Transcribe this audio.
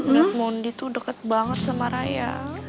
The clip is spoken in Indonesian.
lihat mondi tuh deket banget sama raya